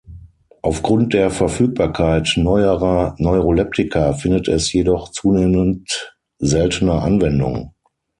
Aufgrund der Verfügbarkeit neuerer Neuroleptika findet es jedoch zunehmend seltener Anwendung.